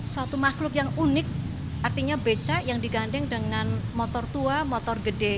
suatu makhluk yang unik artinya becak yang digandeng dengan motor tua motor gede